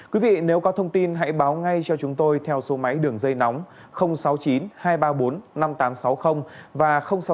quý vị nếu có thông tin hãy báo ngay cho chúng tôi theo số máy đường dây nóng sáu mươi chín hai trăm ba mươi bốn năm nghìn tám trăm sáu mươi và sáu mươi chín hai trăm ba mươi một một nghìn sáu trăm